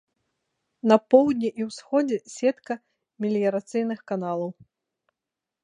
На поўдні і ўсходзе сетка меліярацыйных каналаў.